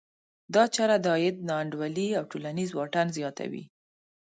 دا چاره د عاید نا انډولي او ټولنیز واټن زیاتوي.